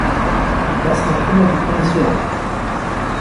Das macht immer die Kommission!